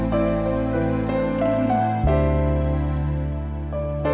dan selalu menunggu kamu